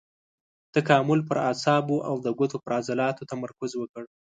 تکامل پر اعصابو او د ګوتو پر عضلاتو تمرکز وکړ.